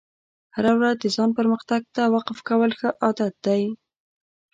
هره ورځ د ځان پرمختګ ته وقف کول ښه عادت دی.